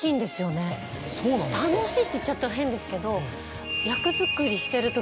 楽しいって言っちゃうと変ですけど。